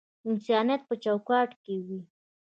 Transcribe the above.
انسانیت په چوکاټ کښی وی